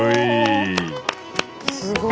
すごい。